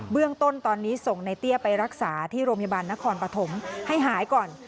เรื่องต้นตอนนี้ส่งในเตี้ยไปรักษาที่โรงพยาบาลนครปฐมให้หายก่อน